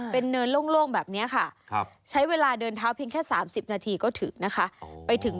เยอะมากจริงคุณคุณ